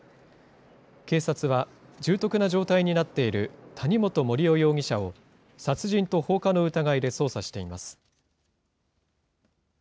警察は、重篤な状態になっている谷本盛雄容疑者を、殺人と放火の疑いで捜査しています。